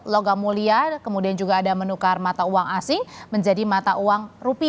logam mulia kemudian juga ada menukar mata uang asing menjadi mata uang